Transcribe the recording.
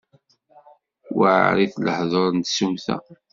Weεrit lehdur n tsumta.